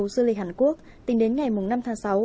tổng cục du lịch hàn quốc tính đến ngày năm tháng sáu